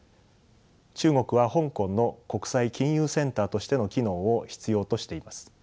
中国は香港の国際金融センターとしての機能を必要としています。